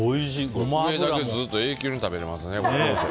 これだけずっと永久に食べられますね。